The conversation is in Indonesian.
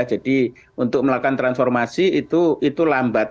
jadi untuk melakukan transformasi itu lambat